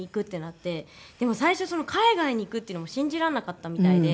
でも最初海外に行くっていうのも信じられなかったみたいで。